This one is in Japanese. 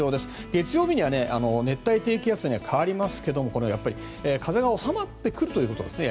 月曜日には熱帯低気圧に変わりますがやや風が収まってくるんですね。